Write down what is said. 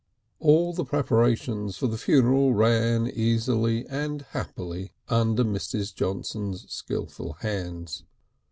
III All the preparations for the funeral ran easily and happily under Mrs. Johnson's skilful hands.